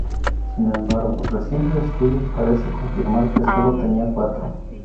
Sin embargo, recientes estudios parece confirmar que solo tenía cuatro.